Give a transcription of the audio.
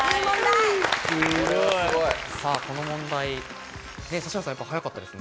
この問題、指原さん、早かったですね。